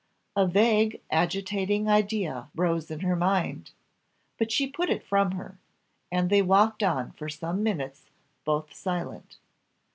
A vague agitating idea rose in her mind, but she put it from her, and they walked on for some minutes, both silent.